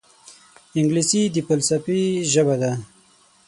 انګلیسي د فلسفې ژبه ده